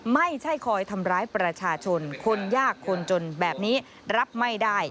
ไม่ใช่คอยทำร้ายประชาชนคนยากคนจนแบบนี้รับไม่ได้